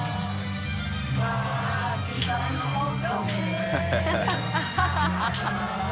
ハハハ